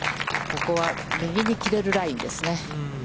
ここは右に切れるラインですね。